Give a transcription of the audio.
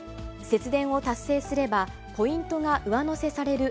節電を達成すれば、ポイントが上乗せされる